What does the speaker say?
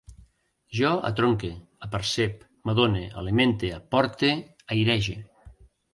Jo atronque, apercep, m'adone, alimente, aporte, airege